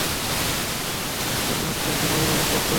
সীমাবদ্ধতা হচ্ছে ডোমেইন অপর্যাপ্ত।